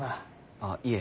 ああいえ。